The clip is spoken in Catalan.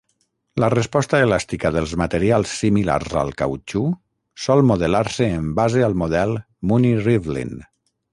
La resposta elàstica dels materials similars al cautxú sol modelar-se en base al model Mooney-Rivlin.